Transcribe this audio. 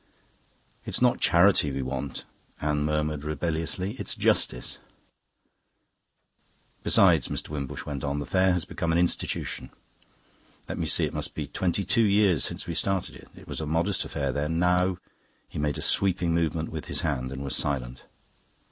"It's not charity we want," Anne murmured rebelliously; "it's justice." "Besides," Mr. Wimbush went on, "the Fair has become an institution. Let me see, it must be twenty two years since we started it. It was a modest affair then. Now..." he made a sweeping movement with his hand and was silent.